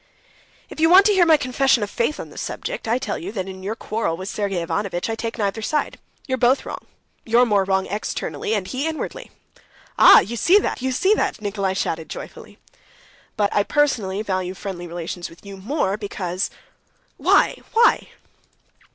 "If you want to hear my confession of faith on the subject, I tell you that in your quarrel with Sergey Ivanovitch I take neither side. You're both wrong. You're more wrong externally, and he inwardly." "Ah, ah! You see that, you see that!" Nikolay shouted joyfully. "But I personally value friendly relations with you more because...." "Why, why?"